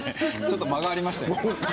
間がありましたよね。